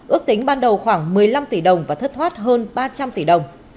ước tính ban đầu khoảng một mươi năm tỷ đồng và thất thoát hơn ba trăm linh tỷ đồng